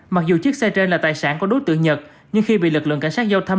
mặc dù chiếc xe trên là tài sản của đối tượng nhật nhưng khi bị lực lượng cảnh sát giao thông